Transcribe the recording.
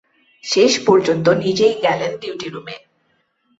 শেষ পর্যন্ত নিজেই গেলেন ডিউটি রুমে।